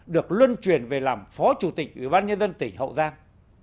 được luân truyền về làm phó chủ tịch ủy ban nhân dân tỉnh hậu giang